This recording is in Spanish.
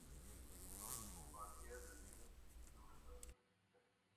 Los Bombardier reciben diferentes nombres para su identificación.